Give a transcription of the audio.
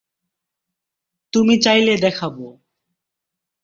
তুমি চাইলে দেখাবো।